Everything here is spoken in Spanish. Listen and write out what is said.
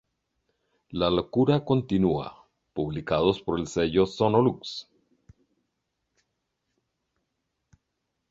La Locura Continúa", publicados por el sello Sonolux.